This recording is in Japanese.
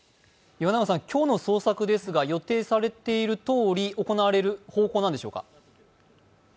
今日の捜索ですが、予定されているとおり行われる方向なんでしょうか？